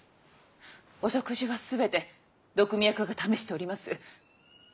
お食事は全て毒味役が試しております。